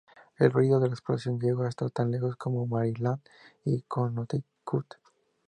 El ruido de la explosión llegó hasta tan lejos como Maryland y Connecticut.